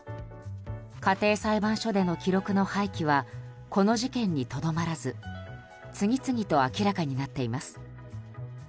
家庭裁判所での記録の廃棄はこの事件にとどまらず次々と明らかになっています。